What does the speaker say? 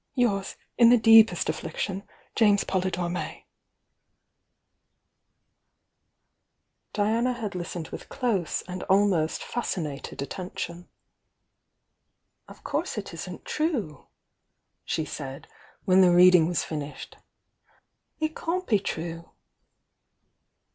"Yours, in the deepest affliction, "James Polydore May." Diana had listened with close and ahnost fasci nated attention. THE YOUNG DiANA 91 "Of course it isn't true," she said, when the read ing was finished. "It can't be true."